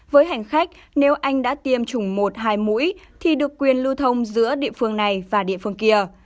với hành khách nếu anh đã tiêm chủng một hai mũi thì được quyền lưu thông giữa địa phương này và địa phương kia